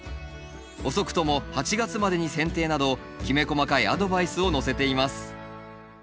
「遅くとも８月までに剪定」などきめ細かいアドバイスを載せています。